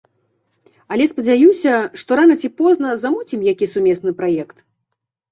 Але, спадзяюся, што рана ці позна замуцім які сумесны праект.